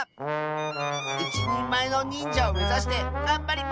いちにんまえのにんじゃをめざしてがんばります！